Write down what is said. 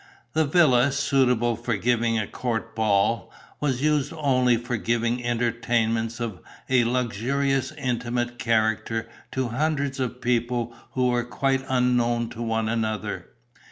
The villa, suitable for giving a court ball, was used only for giving entertainments of a luxurious intimate character to hundreds of people who were quite unknown to one another.